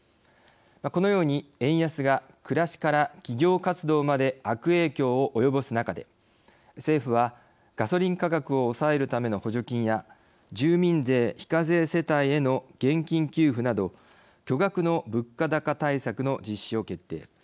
このように円安が暮らしから企業活動まで悪影響を及ぼす中で政府はガソリン価格を抑えるための補助金や住民税非課税世帯への現金給付など巨額の物価高対策の実施を決定。